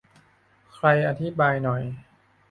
ใครอธิบายหน่อย